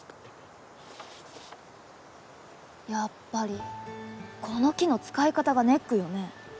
やっぱりこの木の使い方がネックよね。